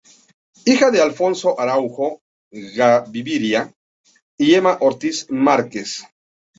Hija de Alfonso Araújo Gaviria y Emma Ortiz Márquez.